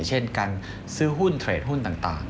เช่นการซื้อหุ้นเทรดหุ้นต่าง